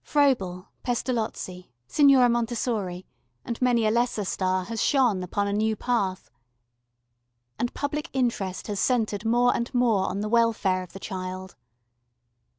Froebel, Pestalozzi, Signora Montessori and many a lesser star has shone upon a new path. And public interest has centred more and more on the welfare of the child.